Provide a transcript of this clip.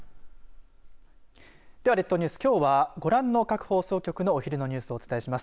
では、列島ニュース、きょうはご覧の各放送局のお昼のニュースをお伝えします。